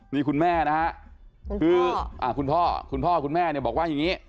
นี่คุณแม่นะฮะคือคุณพ่อคุณพ่อคุณแม่เนี่ยบอกว่าอย่างนี้